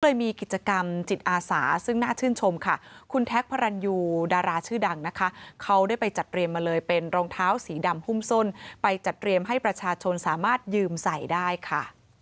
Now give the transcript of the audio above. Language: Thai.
เลยมีกิจกรรมจิตอาสาซึ่งน่าชื่นชมค่ะคุณแท็กพระรันยูดาราชื่อดังนะคะเขาได้ไปจัดเตรียมมาเลยเป็นรองเท้าสีดำหุ้มส้นไปจัดเตรียมให้ประชาชนสามารถยืมใส่ได้ค่ะ